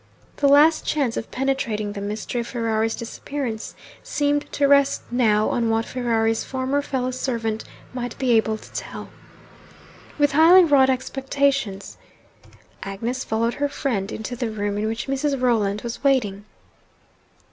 The last chance of penetrating the mystery of Ferrari's disappearance seemed to rest now on what Ferrari's former fellow servant might be able to tell. With highly wrought expectations, Agnes followed her friend into the room in which Mrs. Rolland was waiting.